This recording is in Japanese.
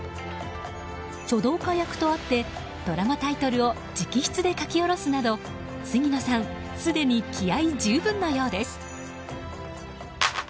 書道家役とあってドラマタイトルを直筆で書き下ろすなど杉野さん、すでに気合十分のようです。